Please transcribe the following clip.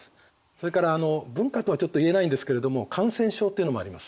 それから文化とはちょっと言えないんですけれども感染症っていうのもあります。